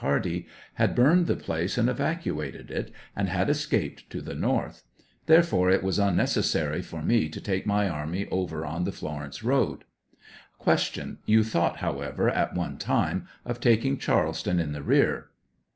Hardee, had burned the place and evacuated it, and had escaped to the north ; there fore it was unnecessary for me to take my army over on the Florence road. Q. You thought, however, at one time of taking Charleston in the rear?